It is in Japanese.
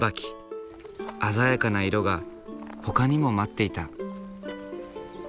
鮮やかな色がほかにも待っていた。